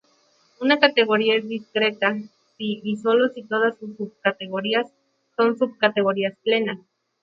Una categoría es discreta si y solo si todas sus subcategorías son subcategorías plenas.